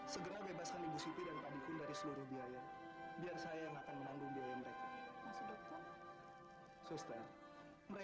saya jamin besok ibu sudah bisa menggendong anak ibu